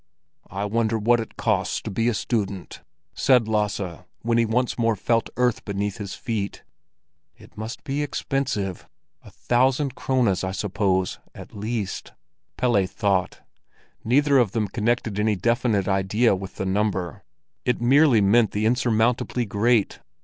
"I wonder what it costs to be a student?" said Lasse, when he once more felt earth beneath his feet. "It must be expensive—a thousand krones, I suppose, at least," Pelle thought. Neither of them connected any definite idea with the number; it merely meant the insurmountably great.